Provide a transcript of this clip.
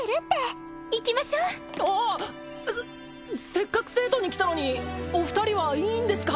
せっかく聖都に来たのにお二人はいいんですか？